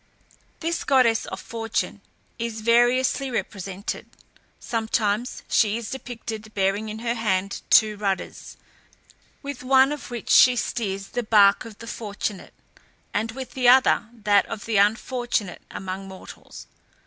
This goddess of Fortune is variously represented. Sometimes she is depicted bearing in her hand two rudders, with one of which she steers the bark of the fortunate, and with the other that of the unfortunate among mortals.